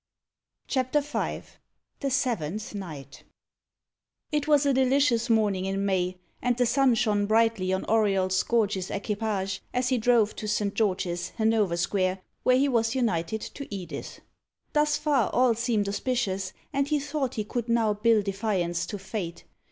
CHAPTER V THE SEVENTH NIGHT It was a delicious morning in May, and the sun shone brightly on Auriol's gorgeous equipage, as he drove to St. George's, Hanover Square, where he was united to Edith. Thus far all seemed auspicious, and he thought he could now bill defiance to fate.